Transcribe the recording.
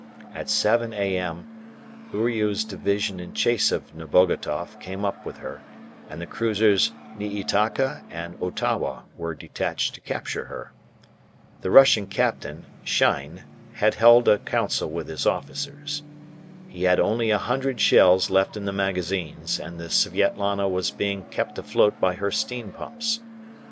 At 7 a.m. Uriu's division in chase of Nebogatoff came up with her, and the cruisers "Niitaka" and "Otowa" were detached to capture her. The Russian captain, Schein, had held a council with his officers. He had only a hundred shells left in the magazines, and the "Svietlana" was being kept afloat by her steam pumps.